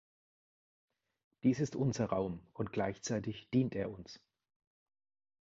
Dies ist unser Raum und gleichzeitig dient er uns.